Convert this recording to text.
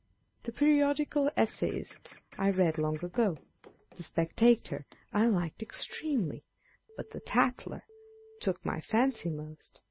The Periodical Essayists I read long ago. The Spectator I liked extremely : but the Taller took my fancy most.